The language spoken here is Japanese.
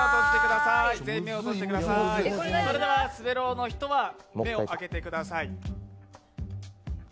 それでは滑狼の人は目を開けてください。